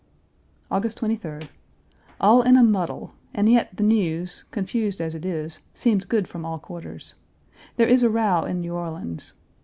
August 23d. All in a muddle, and yet the news, confused as it is, seems good from all quarters. There is a row in New Orleans.